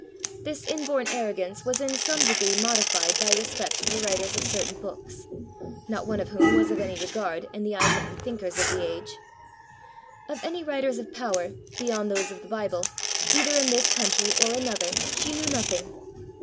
This inborn arrogance was in some degree modified by respect for the writers of certain books not one of whom was of any regard in the eyes of the thinkers of the age. Of any writers of power, beyond those of the Bible, either in this country or another, she knew nothing.